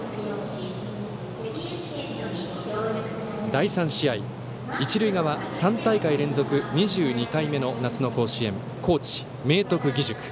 第３試合、一塁側は３大会連続２２回目の夏の甲子園、高知・明徳義塾。